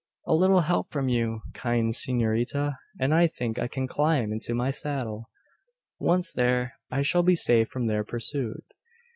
"A little help from you, kind s'norita, and I think I can climb into my saddle. Once there, I shall be safe from their pursuit."